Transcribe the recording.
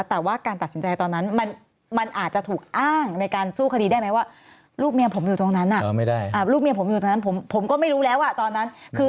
แต่ว่าการตัดสินใจตอนนั้นมันอาจจะถูกอ้างในการสู้คฎีได้ไหมว่า